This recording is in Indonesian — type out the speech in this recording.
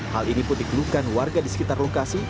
hal ini pun dikeluhkan warga di sekitar lokasi